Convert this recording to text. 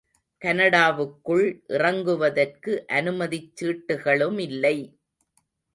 கனடாவுக்குள் இறங்குவதற்கு அனுமதிச் சீட்டுகளுமில்லை.